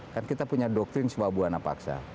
kita punya doktrin swabuana paksa